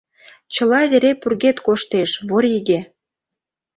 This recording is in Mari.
Чыла вере пургед коштеш, вориге!